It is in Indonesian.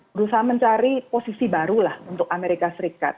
berusaha mencari posisi baru lah untuk amerika serikat